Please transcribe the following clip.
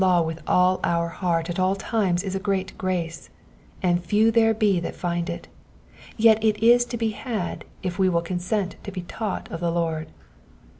law vritli all our heart at all times is a great grace, and few there be that find it ; yet it is to be had if we will consent to be taught of the Lord.